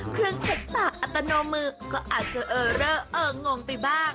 เครื่องเช็ดปากอัตโนมือก็อาจจะเออเลอร์เอองงไปบ้าง